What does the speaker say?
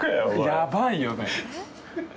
やばいよね。